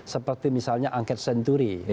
seperti misalnya angket senturi